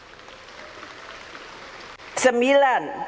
kepada pemerintah beri perhatian kepada rakyat indonesia